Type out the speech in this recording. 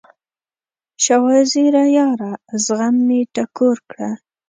شاه وزیره یاره، زخم مې ټکور کړه